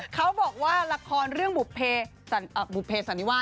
เขาบอกว่าละครเรื่องบุภเสันนิวาส